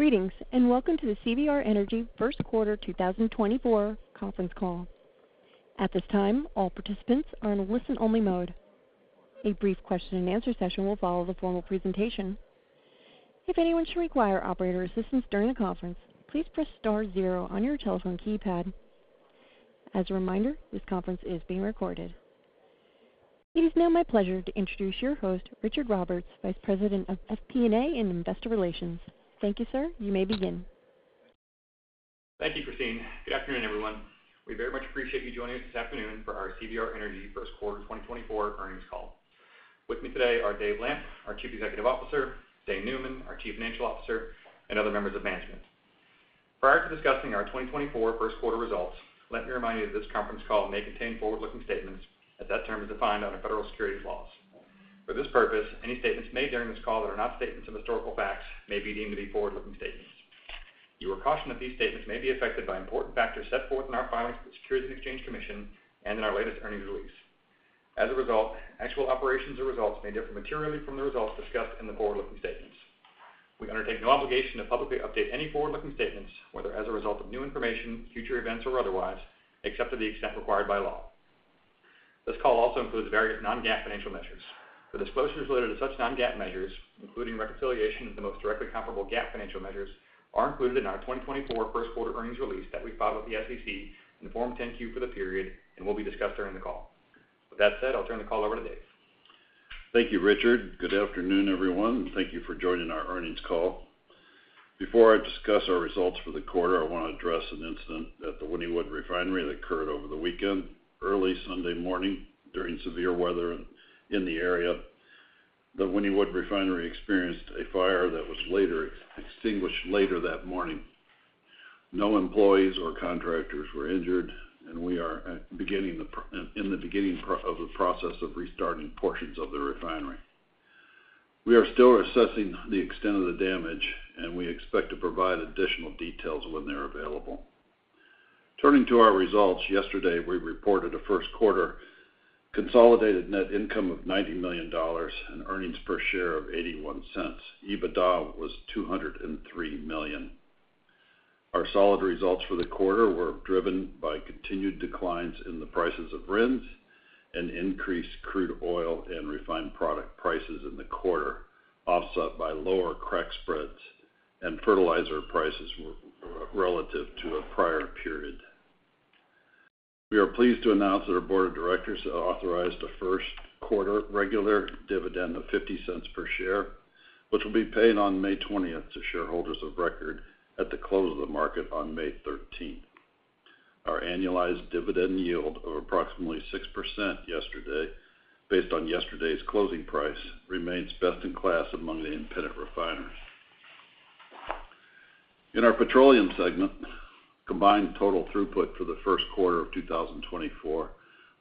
Greetings and welcome to the CVR Energy first quarter 2024 conference call. At this time, all participants are in a listen-only mode. A brief question-and-answer session will follow the formal presentation. If anyone should require operator assistance during the conference, please press star zero on your telephone keypad. As a reminder, this conference is being recorded. It is now my pleasure to introduce your host, Richard Roberts, Vice President of FP&A and Investor Relations. Thank you, sir. You may begin. Thank you, Christine. Good afternoon, everyone. We very much appreciate you joining us this afternoon for our CVR Energy first quarter 2024 earnings call. With me today are Dave Lamp, our Chief Executive Officer, Dane Neumann, our Chief Financial Officer, and other members of management. Prior to discussing our 2024 first quarter results, let me remind you that this conference call may contain forward-looking statements as that term is defined under federal securities laws. For this purpose, any statements made during this call that are not statements of historical facts may be deemed to be forward-looking statements. You are cautioned that these statements may be affected by important factors set forth in our filings to the Securities and Exchange Commission and in our latest earnings release. As a result, actual operations or results may differ materially from the results discussed in the forward-looking statements. We undertake no obligation to publicly update any forward-looking statements, whether as a result of new information, future events, or otherwise, except to the extent required by law. This call also includes various non-GAAP financial measures. The disclosures related to such non-GAAP measures, including reconciliation of the most directly comparable GAAP financial measures, are included in our 2024 first quarter earnings release that we filed with the SEC in Form 10-Q for the period and will be discussed during the call. With that said, I'll turn the call over to Dave. Thank you, Richard. Good afternoon, everyone. Thank you for joining our earnings call. Before I discuss our results for the quarter, I want to address an incident at the Wynnewood refinery that occurred over the weekend, early Sunday morning, during severe weather in the area. The Wynnewood refinery experienced a fire that was extinguished later that morning. No employees or contractors were injured, and we are in the beginning of the process of restarting portions of the refinery. We are still assessing the extent of the damage, and we expect to provide additional details when they're available. Turning to our results, yesterday we reported a first quarter consolidated net income of $90 million and earnings per share of $0.81. EBITDA was $203 million. Our solid results for the quarter were driven by continued declines in the prices of RINs and increased crude oil and refined product prices in the quarter, offset by lower crack spreads and fertilizer prices relative to a prior period. We are pleased to announce that our board of directors authorized a first quarter regular dividend of $0.50 per share, which will be paid on May 20th to shareholders of record at the close of the market on May 13th. Our annualized dividend yield of approximately 6% yesterday, based on yesterday's closing price, remains best in class among the independent refiners. In our petroleum segment, combined total throughput for the first quarter of 2024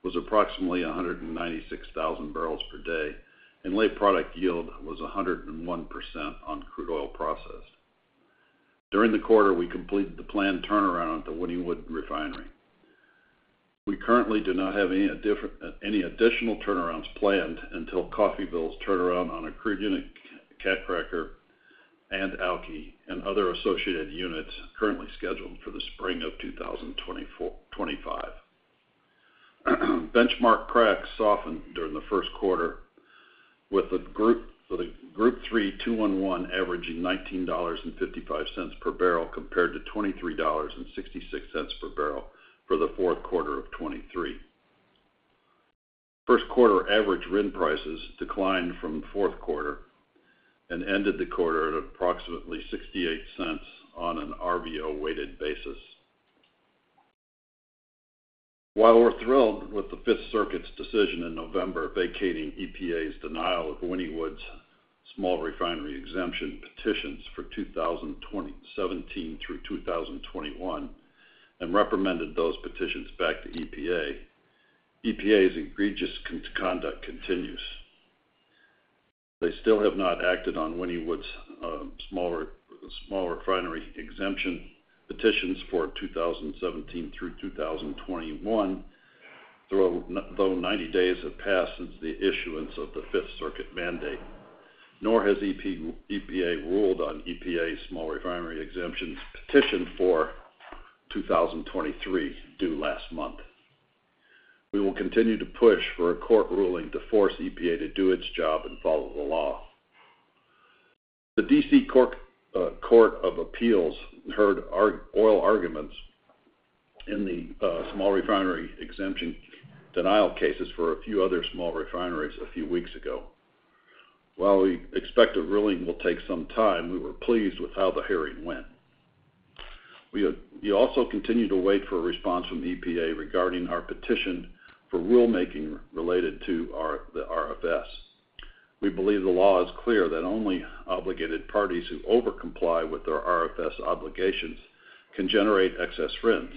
was approximately 196,000 bbl per day, and net product yield was 101% on crude oil processed. During the quarter, we completed the planned turnaround at the Wynnewood refinery. We currently do not have any additional turnarounds planned until Coffeyville's turnaround on a crude unit, cat cracker, and alky, and other associated units currently scheduled for the spring of 2025. Benchmark cracks softened during the first quarter, with the Group 3 2-1-1 averaging $19.55 per barrel compared to $23.66 per barrel for the fourth quarter of 2023. First quarter average RIN prices declined from fourth quarter and ended the quarter at approximately $0.68 on an RVO-weighted basis. While we're thrilled with the Fifth Circuit's decision in November vacating EPA's denial of Wynnewood's small refinery exemption petitions for 2017 through 2021 and remanded those petitions back to EPA, EPA's egregious conduct continues. They still have not acted on Wynnewood's small refinery exemption petitions for 2017 through 2021, though 90 days have passed since the issuance of the Fifth Circuit mandate, nor has EPA ruled on EPA's small refinery exemptions petition for 2023 due last month. We will continue to push for a court ruling to force EPA to do its job and follow the law. The D.C. Court of Appeals heard oral arguments in the small refinery exemption denial cases for a few other small refineries a few weeks ago. While we expect a ruling will take some time, we were pleased with how the hearing went. We also continue to wait for a response from EPA regarding our petition for rulemaking related to the RFS. We believe the law is clear that only obligated parties who over comply with their RFS obligations can generate excess RINs,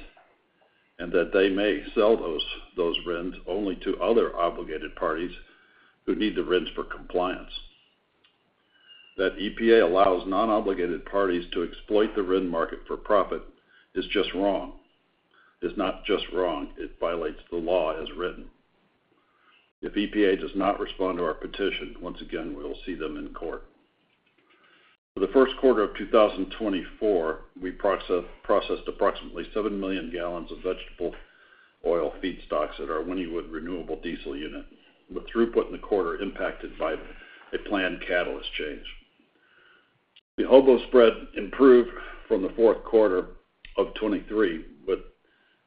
and that they may sell those RINs only to other obligated parties who need the RINs for compliance. That EPA allows non-obligated parties to exploit the RIN market for profit is just wrong. It's not just wrong. It violates the law as written. If EPA does not respond to our petition, once again, we'll see them in court. For the first quarter of 2024, we processed approximately 7 million gallons of vegetable oil feedstocks at our Wynnewood renewable diesel unit, with throughput in the quarter impacted by a planned catalyst change. The HOBO spread improved from the fourth quarter of 2023 with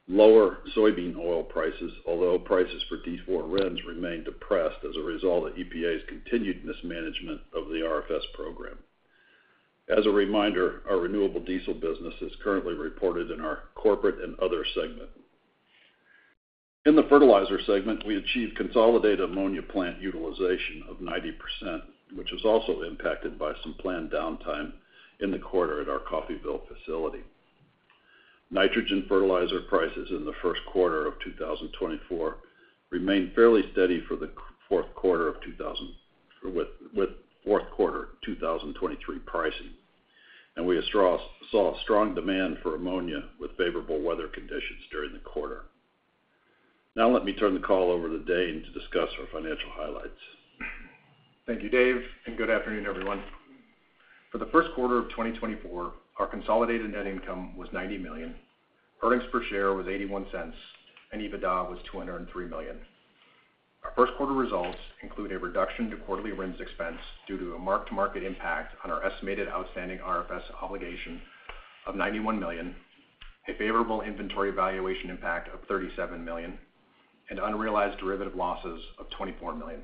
lower soybean oil prices, although prices for D4 RINs remained depressed as a result of EPA's continued mismanagement of the RFS program. As a reminder, our renewable diesel business is currently reported in our corporate and other segment. In the fertilizer segment, we achieved consolidated ammonia plant utilization of 90%, which is also impacted by some planned downtime in the quarter at our Coffeyville facility. Nitrogen fertilizer prices in the first quarter of 2024 remained fairly steady for the fourth quarter of 2023 pricing, and we saw strong demand for ammonia with favorable weather conditions during the quarter. Now let me turn the call over to Dane to discuss our financial highlights. Thank you, Dave, and good afternoon, everyone. For the first quarter of 2024, our consolidated net income was $90 million. Earnings per share was $0.81, and EBITDA was $203 million. Our first quarter results include a reduction to quarterly RINs expense due to a mark-to-market impact on our estimated outstanding RFS obligation of $91 million, a favorable inventory valuation impact of $37 million, and unrealized derivative losses of $24 million.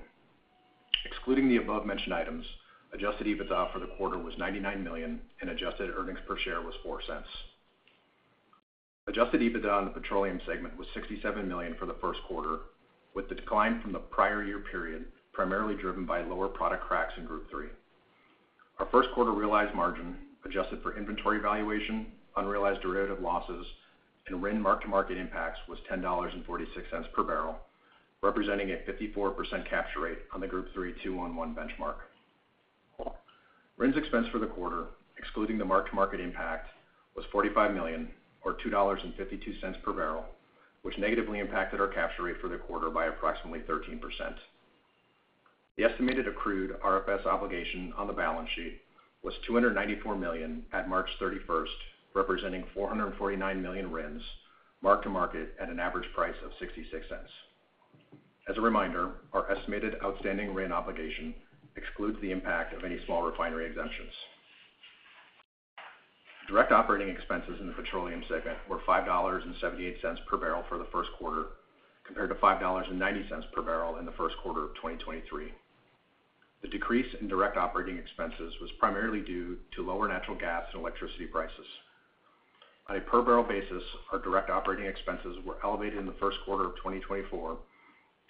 Excluding the above-mentioned items, Adjusted EBITDA for the quarter was $99 million, and adjusted earnings per share was $0.04. Adjusted EBITDA on the petroleum segment was $67 million for the first quarter, with the decline from the prior year period primarily driven by lower product cracks in Group 3. Our first quarter realized margin adjusted for inventory valuation, unrealized derivative losses, and RIN marked-to-market impacts was $10.46 per barrel, representing a 54% capture rate on the Group 3 2-1-1 benchmark. RINs expense for the quarter, excluding the marked-to-market impact, was $45 million or $2.52 per barrel, which negatively impacted our capture rate for the quarter by approximately 13%. The estimated accrued RFS obligation on the balance sheet was $294 million at March 31st, representing 449 million RINs marked-to-market at an average price of $0.66. As a reminder, our estimated outstanding RIN obligation excludes the impact of any small refinery exemptions. Direct operating expenses in the petroleum segment were $5.78 per barrel for the first quarter, compared to $5.90 per barrel in the first quarter of 2023. The decrease in direct operating expenses was primarily due to lower natural gas and electricity prices. On a per-barrel basis, our direct operating expenses were elevated in the first quarter of 2024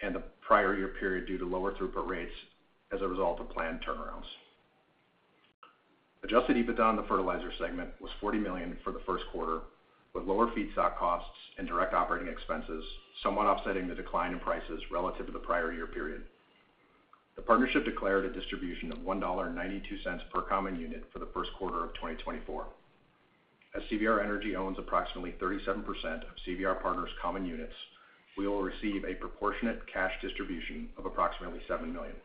and the prior year period due to lower throughput rates as a result of planned turnarounds. Adjusted EBITDA on the fertilizer segment was $40 million for the first quarter, with lower feedstock costs and direct operating expenses somewhat offsetting the decline in prices relative to the prior year period. The partnership declared a distribution of $1.92 per common unit for the first quarter of 2024. As CVR Energy owns approximately 37% of CVR Partners' common units, we will receive a proportionate cash distribution of approximately $7 million.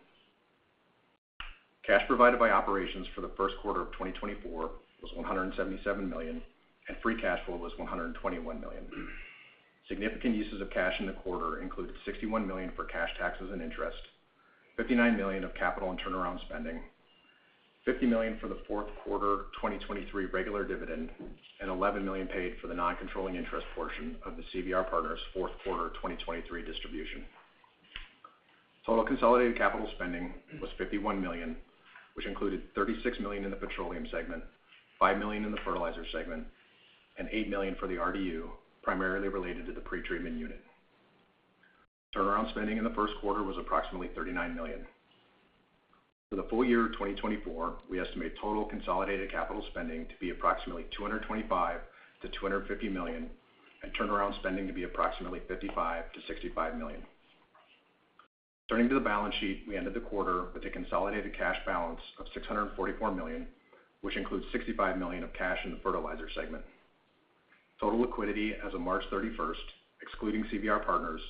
Cash provided by operations for the first quarter of 2024 was $177 million, and free cash flow was $121 million. Significant uses of cash in the quarter included $61 million for cash taxes and interest, $59 million of capital and turnaround spending, $50 million for the fourth quarter 2023 regular dividend, and $11 million paid for the non-controlling interest portion of the CVR Partners' fourth quarter 2023 distribution. Total consolidated capital spending was $51 million, which included $36 million in the petroleum segment, $5 million in the fertilizer segment, and $8 million for the RDU, primarily related to the pretreatment unit. Turnaround spending in the first quarter was approximately $39 million. For the full year of 2024, we estimate total consolidated capital spending to be approximately $225 million-$250 million and turnaround spending to be approximately $55 million-$65 million. Turning to the balance sheet, we ended the quarter with a consolidated cash balance of $644 million, which includes $65 million of cash in the fertilizer segment. Total liquidity as of March 31st, excluding CVR Partners,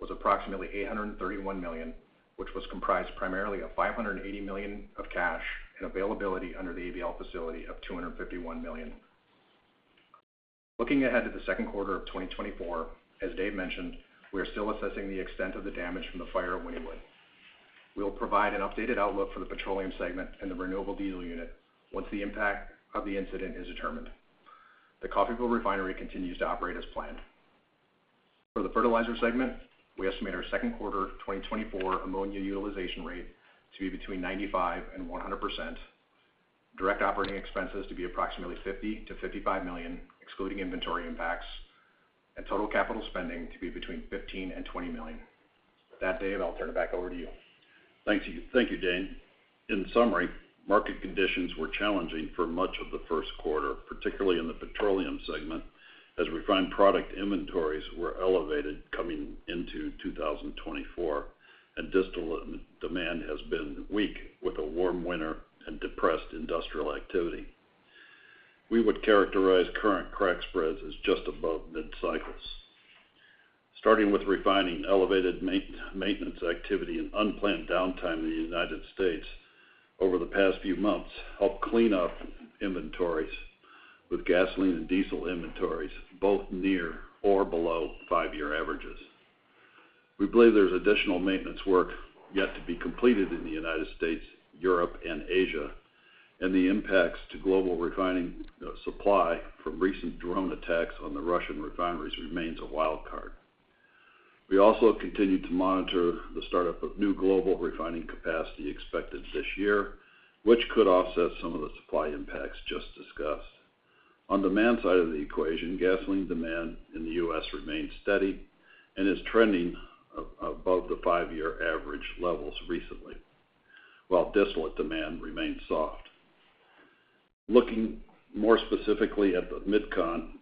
was approximately $831 million, which was comprised primarily of $580 million of cash and availability under the ABL Facility of $251 million. Looking ahead to the second quarter of 2024, as Dave mentioned, we are still assessing the extent of the damage from the fire at Wynnewood. We will provide an updated outlook for the petroleum segment and the renewable diesel unit once the impact of the incident is determined. The Coffeyville refinery continues to operate as planned. For the fertilizer segment, we estimate our second quarter 2024 ammonia utilization rate to be between 95%-100%, direct operating expenses to be approximately $50-$55 million, excluding inventory impacts, and total capital spending to be between $15-$20 million. That's Dave. I'll turn it back over to you. Thank you. Thank you, Dane. In summary, market conditions were challenging for much of the first quarter, particularly in the petroleum segment, as refined product inventories were elevated coming into 2024, and distillate demand has been weak with a warm winter and depressed industrial activity. We would characterize current crack spreads as just above mid-cycle. Starting with refining, elevated maintenance activity, and unplanned downtime in the United States over the past few months helped clean up inventories with gasoline and diesel inventories both near or below five-year averages. We believe there's additional maintenance work yet to be completed in the United States, Europe, and Asia, and the impacts to global refining supply from recent drone attacks on the Russian refineries remains a wild card. We also continue to monitor the startup of new global refining capacity expected this year, which could offset some of the supply impacts just discussed. On demand side of the equation, gasoline demand in the U.S. remains steady and is trending above the five-year average levels recently, while diesel demand remains soft. Looking more specifically at the Mid-Con,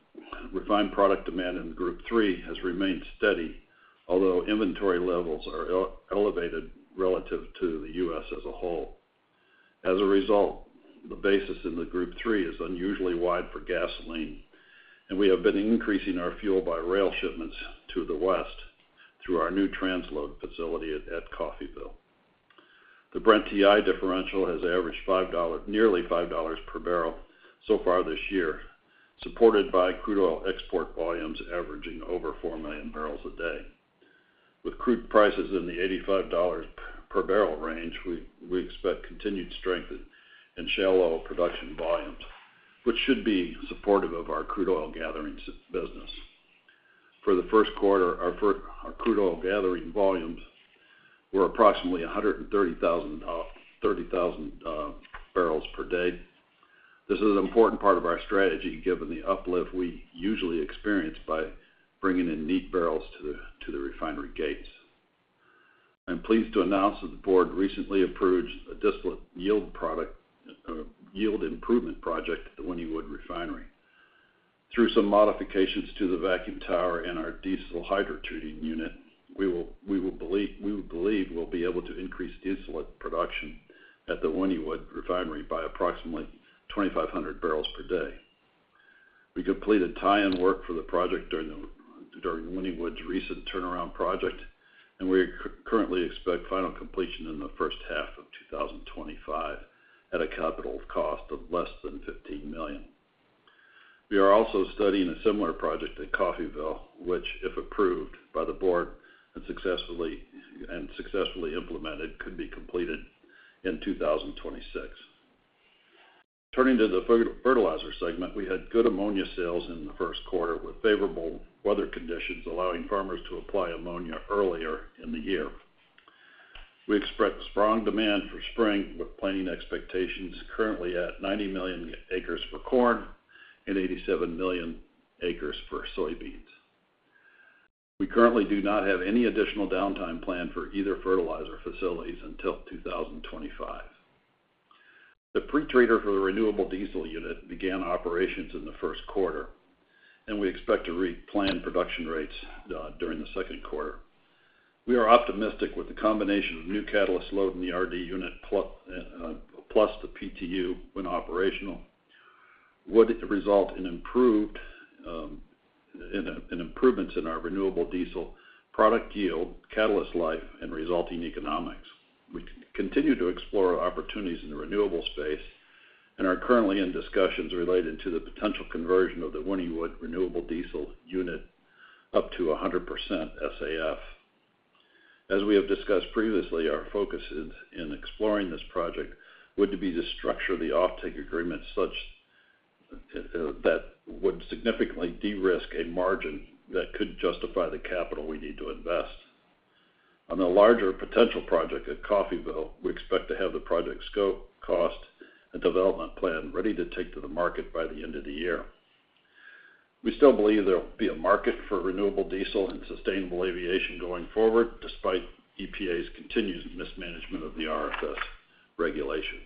refined product demand in Group 3 has remained steady, although inventory levels are elevated relative to the U.S. as a whole. As a result, the basis in the Group 3 is unusually wide for gasoline, and we have been increasing our fuel-by-rail shipments to the west through our new transload facility at Coffeyville. The Brent-TI differential has averaged nearly $5 per barrel so far this year, supported by crude oil export volumes averaging over 4 MMbpd. With crude prices in the $85 per barrel range, we expect continued strength in shale production volumes, which should be supportive of our crude oil gathering business. For the first quarter, our crude oil gathering volumes were approximately 130,000 bbl per day. This is an important part of our strategy given the uplift we usually experience by bringing in neat barrels to the refinery gates. I'm pleased to announce that the board recently approved a distillate yield improvement project at the Wynnewood refinery. Through some modifications to the vacuum tower and our diesel hydro treating unit, we will believe we'll be able to increase distillate production at the Wynnewood refinery by approximately 2,500 bbl per day. We completed tie-in work for the project during Wynnewood's recent turnaround project, and we currently expect final completion in the first half of 2025 at a capital cost of less than $15 million. We are also studying a similar project at Coffeyville, which, if approved by the board and successfully implemented, could be completed in 2026. Turning to the fertilizer segment, we had good ammonia sales in the first quarter with favorable weather conditions allowing farmers to apply ammonia earlier in the year. We expect strong demand for spring with planting expectations currently at 90 million acres for corn and 87 million acres for soybeans. We currently do not have any additional downtime planned for either fertilizer facility until 2025. The pretreatment unit for the renewable diesel unit began operations in the first quarter, and we expect to reach planned production rates during the second quarter. We are optimistic with the combination of new catalyst load in the RD unit plus the PTU when operational would result in improvements in our renewable diesel product yield, catalyst life, and resulting economics. We continue to explore opportunities in the renewable space and are currently in discussions related to the potential conversion of the Wynnewood renewable diesel unit up to 100% SAF. As we have discussed previously, our focus in exploring this project would be to structure the offtake agreement such that it would significantly de-risk a margin that could justify the capital we need to invest. On the larger potential project at Coffeyville, we expect to have the project scope, cost, and development plan ready to take to the market by the end of the year. We still believe there will be a market for renewable diesel and sustainable aviation going forward despite EPA's continued mismanagement of the RFS regulation.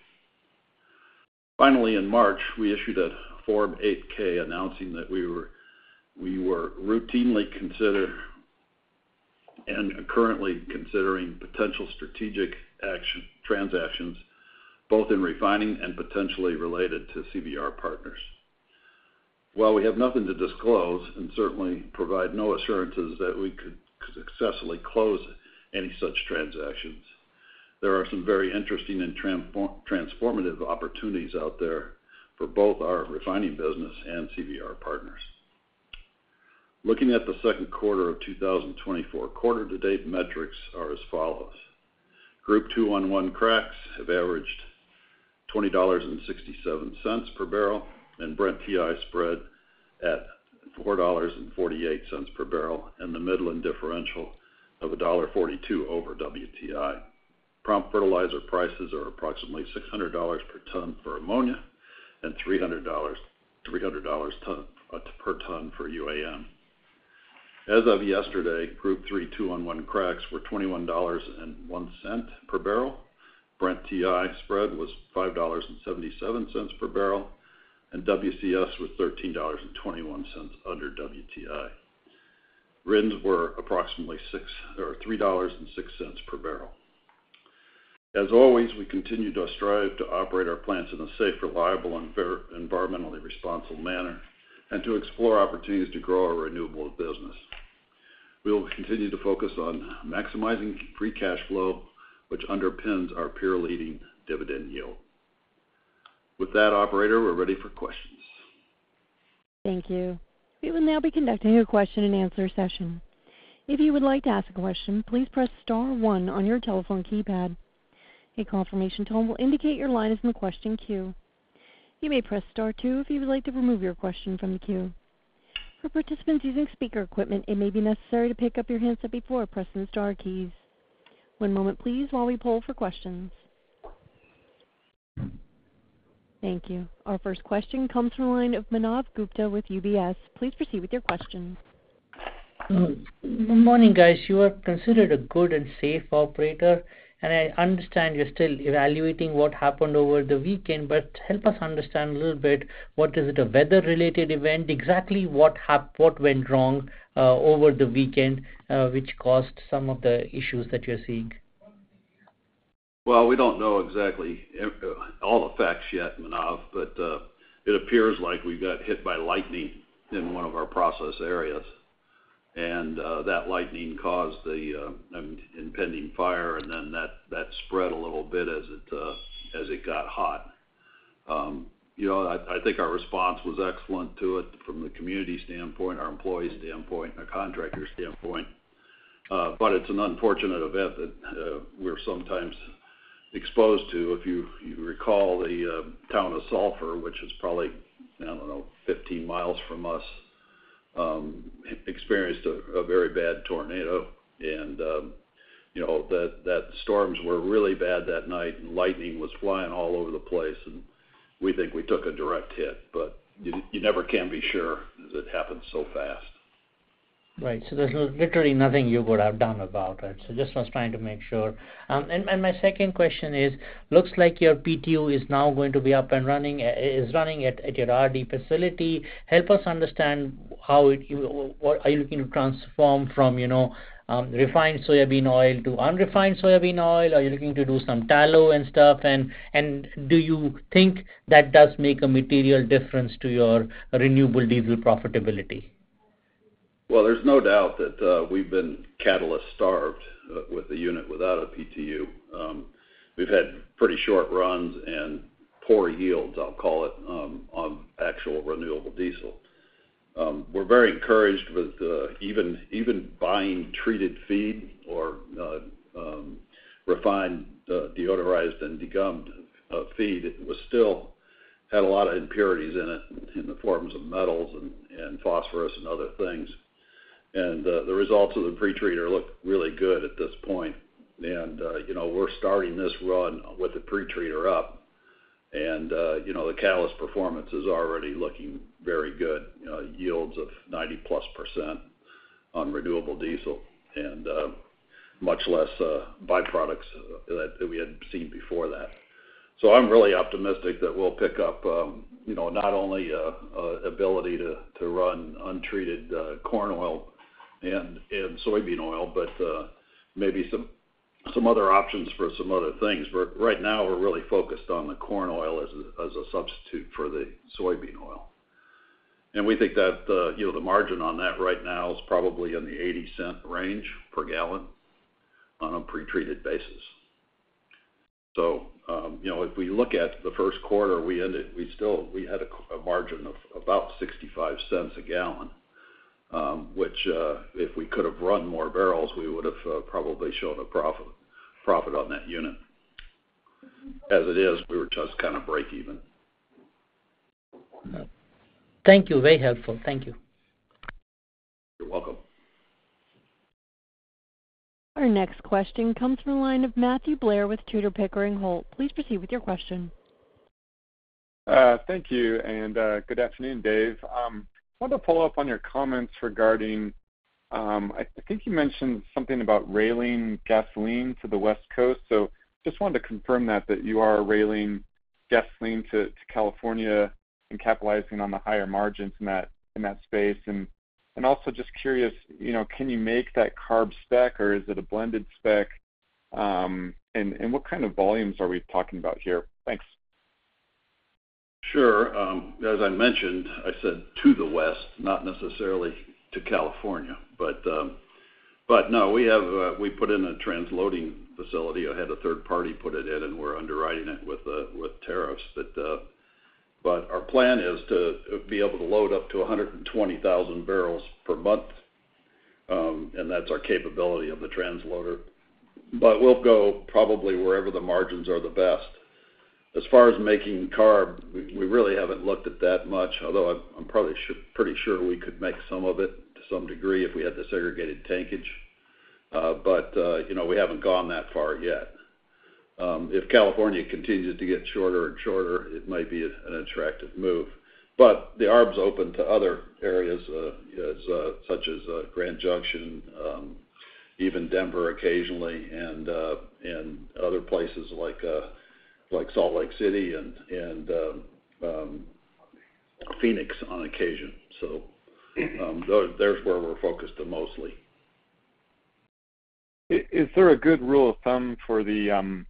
Finally, in March, we issued a Form 8-K announcing that we were routinely considering and currently considering potential strategic transactions both in refining and potentially related to CVR Partners. While we have nothing to disclose and certainly provide no assurances that we could successfully close any such transactions, there are some very interesting and transformative opportunities out there for both our refining business and CVR Partners. Looking at the second quarter of 2024, quarter-to-date metrics are as follows. Group 2-1-1 cracks have averaged $20.67 per barrel and Brent-TI spread at $4.48 per barrel and the Midland differential of $1.42 over WTI. Prompt fertilizer prices are approximately $600 per ton for ammonia and $300 per ton for UAN. As of yesterday, Group 3 2-1-1 cracks were $21.01 per barrel, Brent-TI spread was $5.77 per barrel, and WCS was $13.21 under WTI. RINs were approximately $3.06 per barrel. As always, we continue to strive to operate our plants in a safe, reliable, and environmentally responsible manner and to explore opportunities to grow our renewable business. We will continue to focus on maximizing free cash flow, which underpins our peer-leading dividend yield. With that, operator, we're ready for questions. Thank you. We will now be conducting a question-and-answer session. If you would like to ask a question, please press star one on your telephone keypad. A confirmation tone will indicate your line is in the question queue. You may press star two if you would like to remove your question from the queue. For participants using speaker equipment, it may be necessary to pick up your handset before pressing the star keys. One moment, please, while we pull for questions. Thank you. Our first question comes from a line of Manav Gupta with UBS. Please proceed with your question. Good morning, guys. You are considered a good and safe operator, and I understand you're still evaluating what happened over the weekend, but help us understand a little bit. What is it? A weather-related event? Exactly what went wrong over the weekend which caused some of the issues that you're seeing? Well, we don't know exactly all the facts yet, Manav, but it appears like we got hit by lightning in one of our process areas, and that lightning caused the impending fire, and then that spread a little bit as it got hot. I think our response was excellent to it from the community standpoint, our employee standpoint, our contractor standpoint, but it's an unfortunate event that we're sometimes exposed to. If you recall, the town of Sulphur, which is probably, I don't know, 15 miles from us, experienced a very bad tornado, and that storms were really bad that night, and lightning was flying all over the place, and we think we took a direct hit. But you never can be sure as it happens so fast. Right. So there's literally nothing you would have done about it. So just was trying to make sure. My second question is, looks like your PTU is now going to be up and running. Is it running at your RD facility? Help us understand how it are you looking to transform from refined soybean oil to unrefined soybean oil? Are you looking to do some tallow and stuff and do you think that does make a material difference to your renewable diesel profitability? Well, there's no doubt that we've been catalyst-starved with the unit without a PTU. We've had pretty short runs and poor yields, I'll call it, on actual renewable diesel. We're very encouraged with even buying treated feed or refined, deodorized, and degummed feed. It still had a lot of impurities in it in the forms of metals and phosphorus and other things. The results of the pretreater look really good at this point and we're starting this run with the pretreater up, and the catalyst performance is already looking very good, yields of 90%+ on renewable diesel and much less byproducts that we had seen before that. So I'm really optimistic that we'll pick up not only the ability to run untreated corn oil and soybean oil but maybe some other options for some other things. But right now, we're really focused on the corn oil as a substitute for the soybean oil. We think that the margin on that right now is probably in the $0.80 range per gallon on a pretreated basis. So if we look at the first quarter we ended, we had a margin of about $0.65 a gallon, which if we could have run more barrels, we would have probably shown a profit on that unit. As it is, we were just kind of break-even. Thank you. Very helpful. Thank you. You're welcome. Our next question comes from a line of Matthew Blair with Tudor, Pickering, Holt. Please proceed with your question. Thank you. Good afternoon, Dave. I wanted to follow up on your comments regarding—I think you mentioned something about railing gasoline to the West Coast. So just wanted to confirm that you are railing gasoline to California and capitalizing on the higher margins in that space. Also just curious, can you make that CARB spec, or is it a blended spec and what kind of volumes are we talking about here? Thanks. Sure. As I mentioned, I said to the West, not necessarily to California, but no, we put in a transloading facility. I had a third party put it in, and we're underwriting it with tariffs. But our plan is to be able to load up to 120,000 bbl per month, and that's our capability of the transloader, but we'll go probably wherever the margins are the best. As far as making CARB, we really haven't looked at that much, although I'm pretty sure we could make some of it to some degree if we had the segregated tankage but we haven't gone that far yet. If California continues to get shorter and shorter, it might be an attractive move. But the arb is open to other areas such as Grand Junction, even Denver occasionally, and other places like Salt Lake City and Phoenix on occasion. So there's where we're focused mostly. Is there a good rule of thumb for the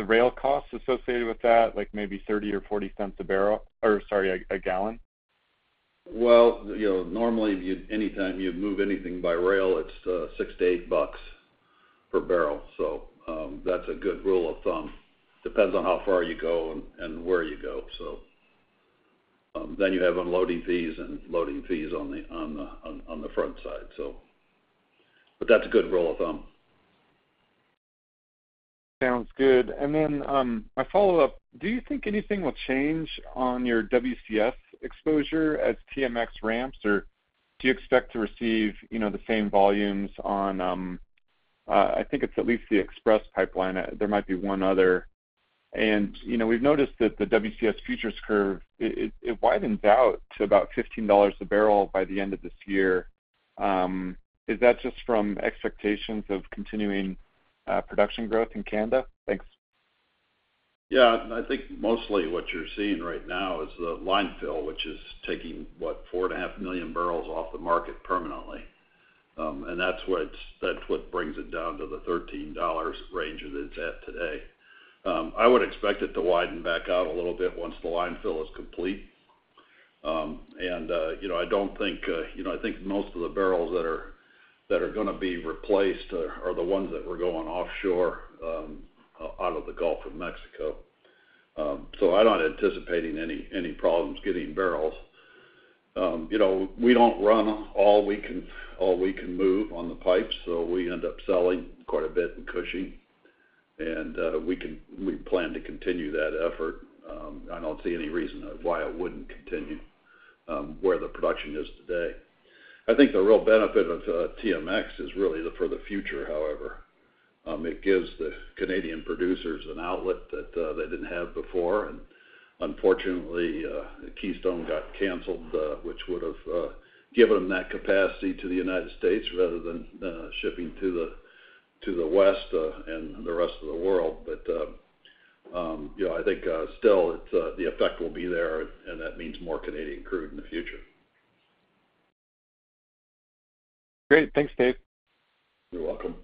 rail costs associated with that, like maybe $0.30-$0.40 a barrel or sorry, a gallon? Well, normally, anytime you move anything by rail, it's $6-$8 per barrel. So that's a good rule of thumb. Depends on how far you go and where you go. So then you have unloading fees and loading fees on the front side, but that's a good rule of thumb. Sounds good. Then my follow-up, do you think anything will change on your WCS exposure as TMX ramps, or do you expect to receive the same volumes on I think it's at least the Express pipeline. There might be one other. We've noticed that the WCS futures curve, it widens out to about $15 a barrel by the end of this year. Is that just from expectations of continuing production growth in Canada? Thanks. Yeah. I think mostly what you're seeing right now is the line fill, which is taking, what, 4.5 million barrels off the market permanently and that's what brings it down to the $13 range that it's at today. I would expect it to widen back out a little bit once the line fill is complete. I think most of the barrels that are going to be replaced are the ones that were going offshore out of the Gulf of Mexico. So I'm not anticipating any problems getting barrels. We don't run all we can move on the pipes, so we end up selling quite a bit and cushioning and we plan to continue that effort. I don't see any reason why it wouldn't continue where the production is today. I think the real benefit of TMX is really for the future, however. It gives the Canadian producers an outlet that they didn't have before. Unfortunately, Keystone got canceled, which would have given them that capacity to the United States rather than shipping to the West and the rest of the world. I think still, the effect will be there, and that means more Canadian crude in the future. Great. Thanks, Dave. You're welcome.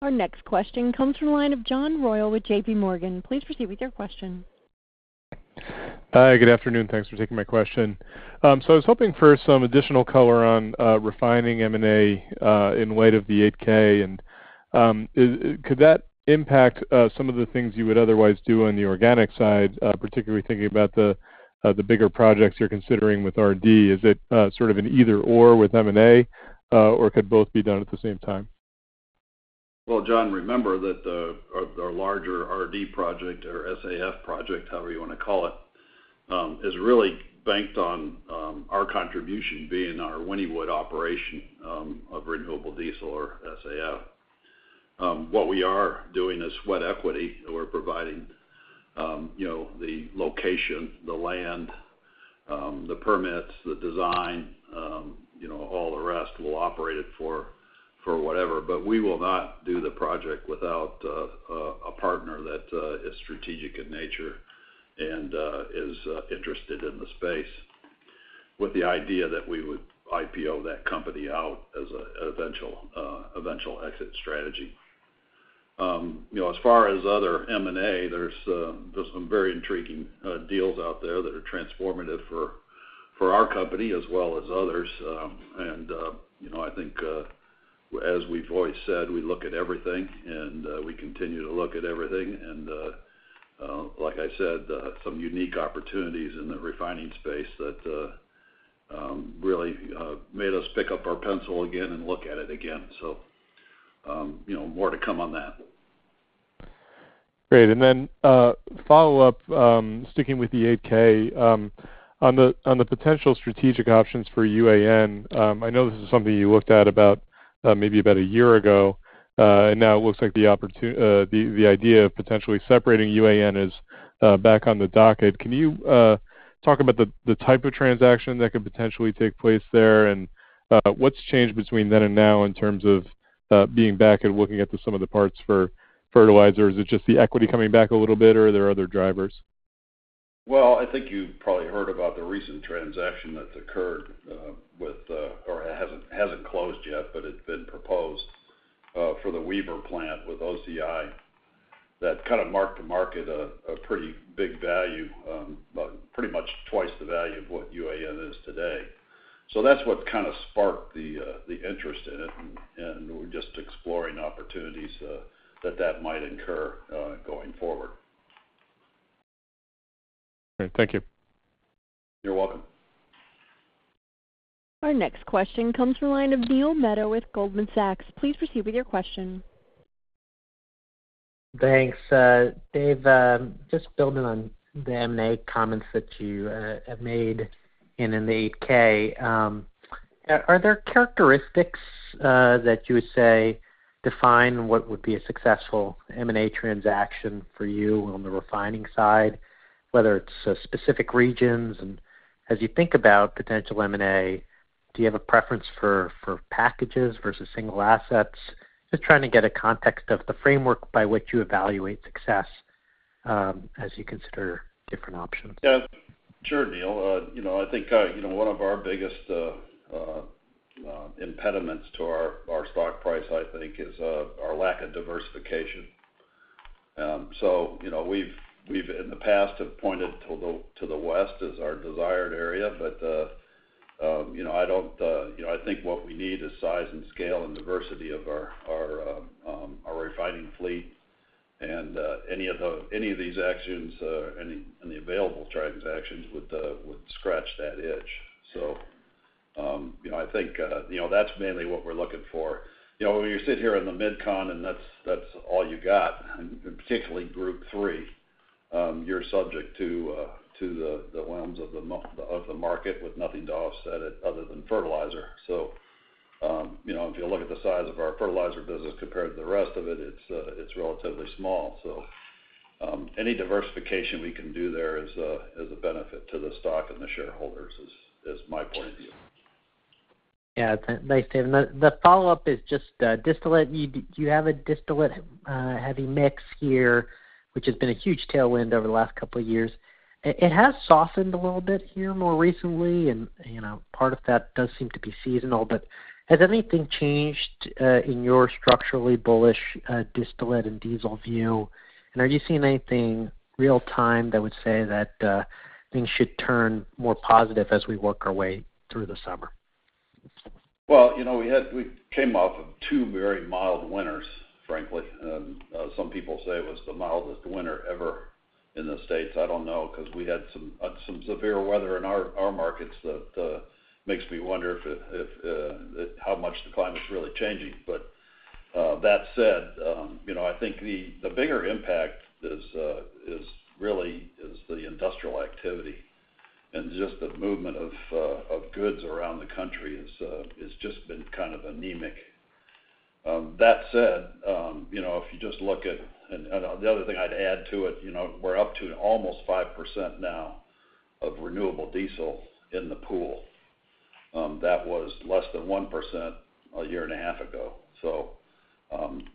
Our next question comes from a line of John Royal with J.P. Morgan. Please proceed with your question. Hi. Good afternoon. Thanks for taking my question. So I was hoping for some additional color on refining M&A in light of the 8K. Could that impact some of the things you would otherwise do on the organic side, particularly thinking about the bigger projects you're considering with RD? Is it sort of an either/or with M&A, or could both be done at the same time? Well, John, remember that our larger RD project or SAF project, however you want to call it, is really banked on our contribution being our Wynnewood operation of renewable diesel or SAF. What we are doing is sweat equity. We're providing the location, the land, the permits, the design, all the rest. We'll operate it for whatever. But we will not do the project without a partner that is strategic in nature and is interested in the space with the idea that we would IPO that company out as an eventual exit strategy. As far as other M&A, there's some very intriguing deals out there that are transformative for our company as well as others. I think, as we've always said, we look at everything, and we continue to look at everything. Like I said, some unique opportunities in the refining space that really made us pick up our pencil again and look at it again. More to come on that. Great. Then follow-up, sticking with the 8-K, on the potential strategic options for UAN. I know this is something you looked at maybe about a year ago, and now it looks like the idea of potentially separating UAN is back on the docket. Can you talk about the type of transaction that could potentially take place there, and what's changed between then and now in terms of being back and looking at some of the parts for fertilizer? Is it just the equity coming back a little bit, or are there other drivers? Well, I think you've probably heard about the recent transaction that's occurred with or hasn't closed yet, but it's been proposed for the Wever plant with OCI that kind of marked the market a pretty big value, pretty much twice the value of what UAN is today. So that's what's kind of sparked the interest in it, and we're just exploring opportunities that that might incur going forward. Great. Thank you. You're welcome. Our next question comes from a line of Neil Mehta with Goldman Sachs. Please proceed with your question. Thanks, Dave. Just building on the M&A comments that you have made in the 8-K, are there characteristics that you would say define what would be a successful M&A transaction for you on the refining side, whether it's specific regions? As you think about potential M&A, do you have a preference for packages versus single assets? Just trying to get a context of the framework by which you evaluate success as you consider different options. Yeah. Sure, Neil. I think one of our biggest impediments to our stock price, I think, is our lack of diversification. So we've, in the past, pointed to the West as our desired area, but I don't, I think what we need is size and scale and diversity of our refining fleet and any of these actions and the available transactions would scratch that edge. So I think that's mainly what we're looking for. When you sit here in the mid-con and that's all you got, particularly Group 3, you're subject to the realms of the market with nothing to offset it other than fertilizer. So if you look at the size of our fertilizer business compared to the rest of it, it's relatively small. So any diversification we can do there is a benefit to the stock and the shareholders, is my point of view. Yeah. Nice, Dave. The follow-up is just distillate. Do you have a distillate-heavy mix here, which has been a huge tailwind over the last couple of years? It has softened a little bit here more recently, and part of that does seem to be seasonal. But has anything changed in your structurally bullish distillate and diesel view and are you seeing anything real-time that would say that things should turn more positive as we work our way through the summer? Well, we came off of two very mild winters, frankly. Some people say it was the mildest winter ever in the States. I don't know because we had some severe weather in our markets that makes me wonder how much the climate's really changing. But that said, I think the bigger impact really is the industrial activity, and just the movement of goods around the country has just been kind of anemic. That said, if you just look at and the other thing I'd add to it, we're up to almost 5% now of renewable diesel in the pool. That was less than 1% a year and a half ago. So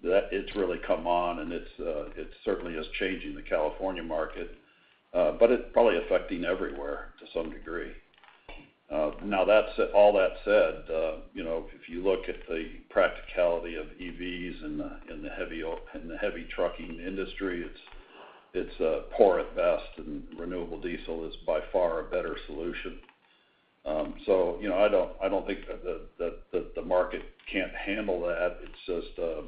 it's really come on, and it certainly is changing the California market, but it's probably affecting everywhere to some degree. Now, all that said, if you look at the practicality of EVs and the heavy trucking industry, it's poor at best, and renewable diesel is by far a better solution. So I don't think that the market can't handle that. It's just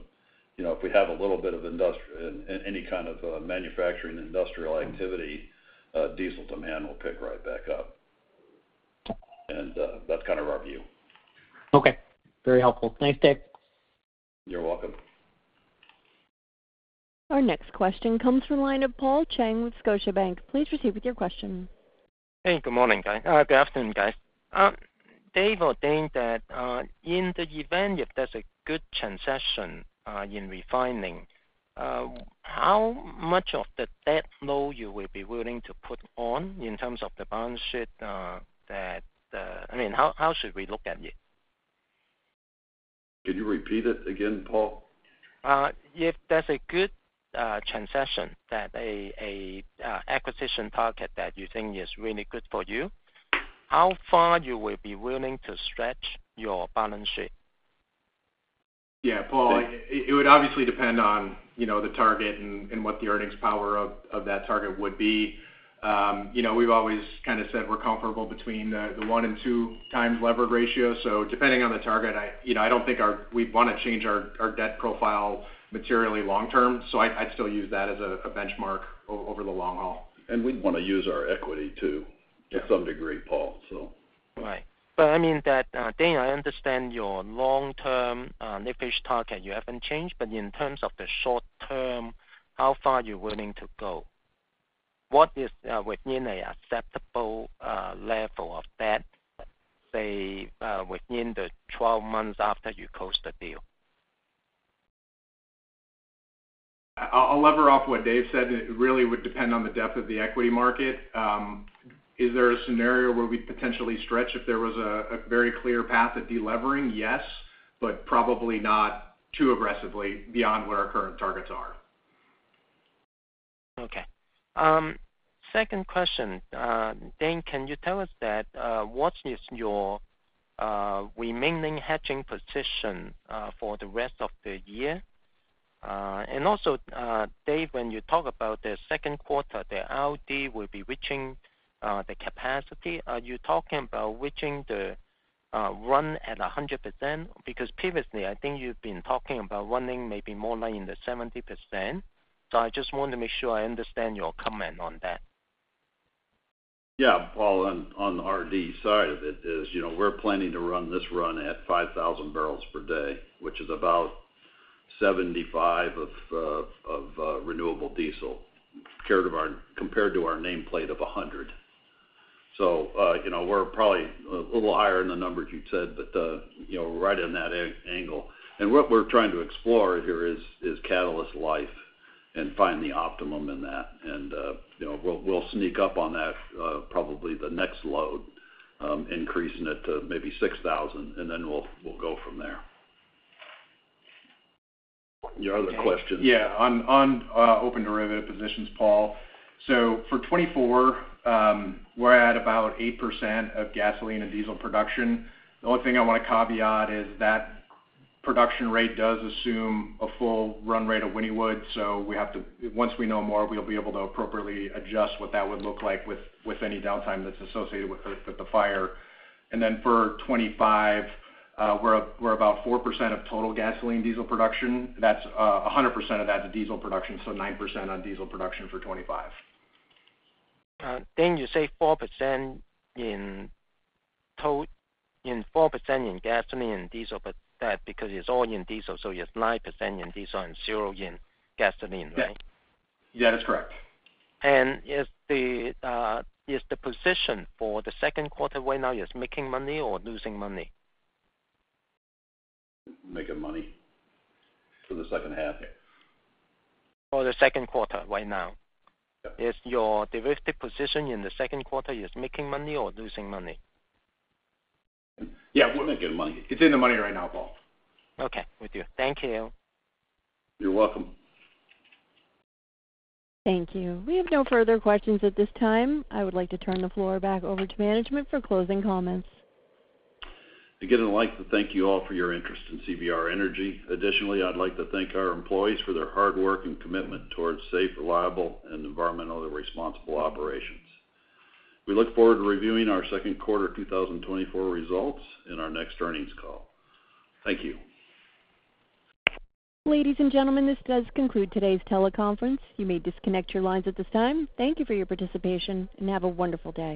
if we have a little bit of any kind of manufacturing industrial activity, diesel demand will pick right back up and that's kind of our view. Okay. Very helpful. Thanks, Dave. You're welcome. Our next question comes from a line of Paul Cheng with Scotiabank. Please proceed with your question. Hey. Good morning, guys. Good afternoon, guys. Dave or Dane, in the event if there's a good transaction in refining, how much of the debt load you will be willing to put on in terms of the balance sheet that I mean, how should we look at it? Can you repeat it again, Paul? If there's a good transaction, an acquisition target that you think is really good for you, how far will you be willing to stretch your balance sheet? Yeah, Paul. It would obviously depend on the target and what the earnings power of that target would be. We've always kind of said we're comfortable between the 1 and 2x leverage ratio. So depending on the target, I don't think we'd want to change our debt profile materially long-term. So I'd still use that as a benchmark over the long haul. We'd want to use our equity too to some degree, Paul, so. Right. But I mean, Dane, I understand your long-term leverage target you haven't changed, but in terms of the short term, how far you're willing to go? What is within an acceptable level of debt, say, within the 12 months after you close the deal? I'll lever off what Dave said. It really would depend on the depth of the equity market. Is there a scenario where we'd potentially stretch if there was a very clear path of delevering? Yes, but probably not too aggressively beyond what our current targets are. Okay. Second question. Dane, can you tell us what is your remaining hedging position for the rest of the year? Also, Dave, when you talk about the second quarter, the RD will be reaching the capacity. Are you talking about reaching the run at 100%? Because previously, I think you've been talking about running maybe more like in the 70%. So I just want to make sure I understand your comment on that. Yeah, Paul. On RD side of it, we're planning to run this run at 5,000 bbl per day, which is about 75% of renewable diesel compared to our nameplate of 100%. So we're probably a little higher in the numbers you'd said, but we're right in that angle. What we're trying to explore here is catalyst life and find the optimum in that. We'll sneak up on that probably the next load, increasing it to maybe 6,000, and then we'll go from there. Your other question? Yeah. On open derivative positions, Paul. So for 2024, we're at about 8% of gasoline and diesel production. The only thing I want to caveat is that production rate does assume a full run rate of Wynnewood. So once we know more, we'll be able to appropriately adjust what that would look like with any downtime that's associated with the fire. Then for 2025, we're about 4% of total gasoline diesel production. 100% of that's diesel production, so 9% on diesel production for 2025. Dane, you say 4% in total in 4% in gasoline and diesel because it's all in diesel. So it's 9% in diesel and 0% in gasoline, right? Yeah. Yeah, that's correct. Is the position for the second quarter right now making money or losing money? Making money for the second half. For the second quarter right now, is your derivative position in the second quarter making money or losing money? Yeah. We're making money. It's in the money right now, Paul. Okay. With you. Thank you. You're welcome. Thank you. We have no further questions at this time. I would like to turn the floor back over to management for closing comments. Again, I'd like to thank you all for your interest in CVR Energy. Additionally, I'd like to thank our employees for their hard work and commitment towards safe, reliable, and environmentally responsible operations. We look forward to reviewing our second quarter 2024 results in our next earnings call. Thank you. Ladies and gentlemen, this does conclude today's teleconference. You may disconnect your lines at this time. Thank you for your participation, and have a wonderful day.